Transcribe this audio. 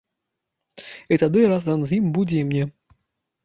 І тады разам з ім будзе і мне.